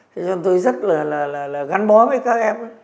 thế nên tôi rất là gắn bó với các em